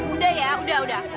udah ya udah udah oke oke cukup